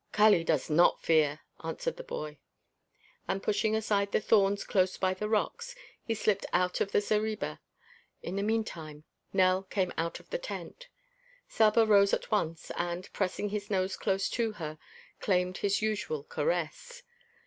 "Kali does not fear," answered the boy. And pushing aside the thorns close by the rocks, he slipped out of the zareba. In the meantime Nell came out of the tent. Saba rose at once and, pressing his nose close to her, claimed his usual caress.